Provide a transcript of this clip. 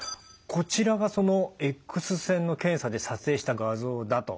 こちらがそのエックス線の検査で撮影した画像だと。